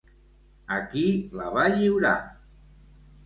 A qui la va lliurar?